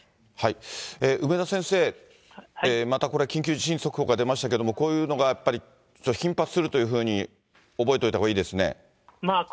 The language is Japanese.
梅田先生、またこれ、緊急地震速報が出ましたけれども、こういうのがやっぱり頻発するというふうに覚えておいたほうがいいですね。